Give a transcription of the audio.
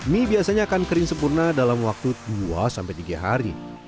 mie biasanya akan kering sempurna dalam waktu dua sampai tiga hari